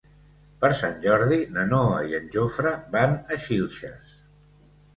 Per Sant Jordi na Noa i en Jofre van a Xilxes.